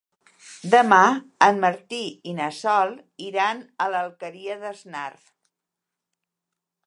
Demà en Martí i na Sol iran a l'Alqueria d'Asnar.